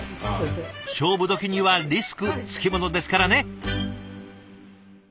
勝負時にはリスク付き物ですからね。